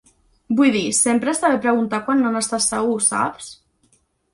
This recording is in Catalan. Vull dir, sempre està bé preguntar quan no n'estàs segur, saps?